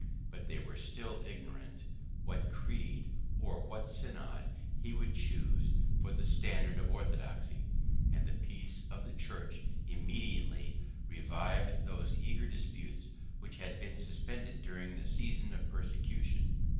But they were still ignorant what creed, or what synod, he would choose for the standard of orthodoxy; and the peace of the church immediately revived those eager disputes which had been suspended during the season of persecution.